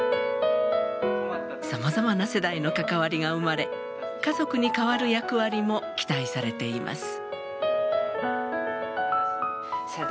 さまざまな世代の関わりが生まれ家族に代わる役割も期待されています。